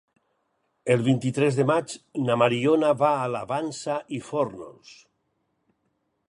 El vint-i-tres de maig na Mariona va a la Vansa i Fórnols.